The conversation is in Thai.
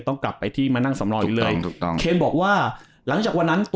ต้องกลับไปที่มานั่งสำรองอยู่เลยถูกต้องเคนบอกว่าหลังจากวันนั้น